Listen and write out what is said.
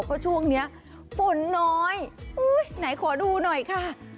เพราะช่วงนี้ฝนน้อยไหนขอดูหน่อยค่ะ